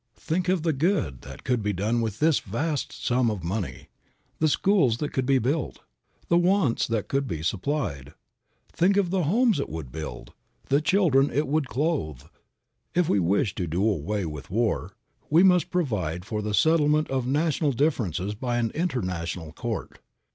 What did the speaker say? Think of the good that could be done with this vast sum of money; the schools that could be built, the wants that could be supplied. Think of the homes it would build, the children it would clothe. If we wish to do away with war, we must provide for the settlement of national differences by an international court.